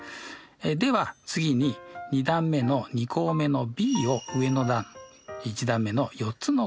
では次に２段目の２項目のｂを上の段１段目の４つの項に順に掛けます。